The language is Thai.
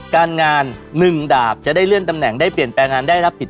กระทานี่ถือว่าดีที่สุด